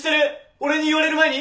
俺に言われる前に！？